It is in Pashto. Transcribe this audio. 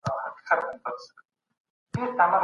بې ځایه سوي خپلي ستونزي د ډیپلوماسۍ له لاري نه حل کوي.